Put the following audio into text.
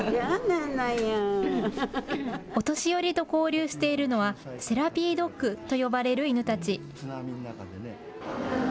お年寄りと交流しているのはセラピードッグと呼ばれる犬たち。